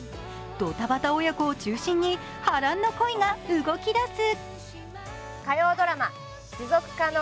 ドタバタ父娘を中心に波乱の恋が動きだす。